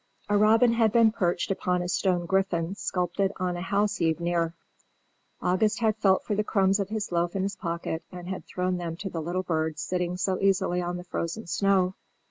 A robin had been perched upon a stone griffin sculptured on a house eave near. August had felt for the crumbs of his loaf in his pocket, and had thrown them to the little bird sitting so easily on the frozen snow.